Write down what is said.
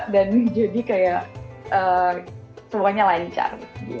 dan jadi kayak semuanya lancar